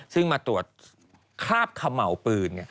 ซึ่งมาตรวจคราบเขม่าปืน